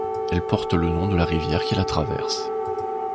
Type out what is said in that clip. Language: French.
Elle porte le nom de la rivière qui la traverse.